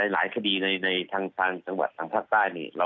หลายคดีในทางจังหวัดทางภาคใต้นี่